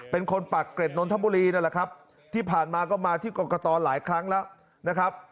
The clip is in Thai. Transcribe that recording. เป็นคนปากเกร็ดนนทบุรีนั่นแหละครับที่ผ่านมาก็มาที่กรกตหลายครั้งแล้วนะครับ